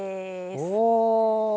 お！